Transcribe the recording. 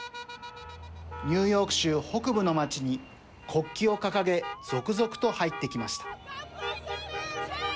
ニューヨーク州、北部の街に国旗を掲げ続々と入ってきました。